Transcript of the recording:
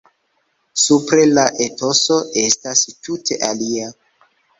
Supre la etoso estas tute alia.